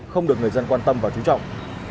không được người dân quan tâm và trú trọng